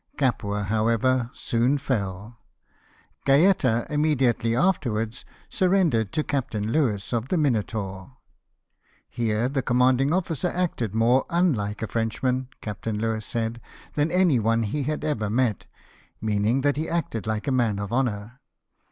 Capua, however, soon fell Gaeta immediately afterwards surrendered to Captain Louis of the Minotaur. Here the commanding officer acted more unlike a Frenchman, Captain Louis said, than any one he had ever met, meaning that he acted like a man of honour.